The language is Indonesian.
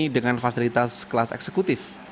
dengan fasilitas sekelas eksekutif